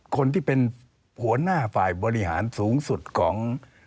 คนที่เป็นหัวหน้าฝ่ายบริหารสูงสุดของ